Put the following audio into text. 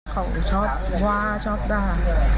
เขาชอบว่าชอบด่า